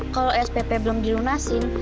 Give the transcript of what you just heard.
kalau spp belum dilunasin